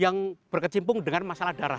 yang berkecimpung dengan masalah darah